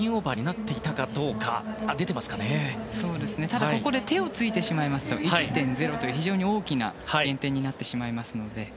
ただし手をついてしまいますと１．０という非常に大きな減点になってしまいますので。